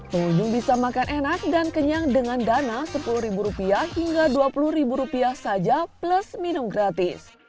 pengunjung bisa makan enak dan kenyang dengan dana rp sepuluh hingga rp dua puluh saja plus minum gratis